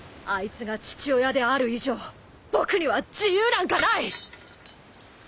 あいつが父親である以上僕には自由なんかない！